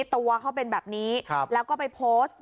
ตัวเขาเป็นแบบนี้แล้วก็ไปโพสต์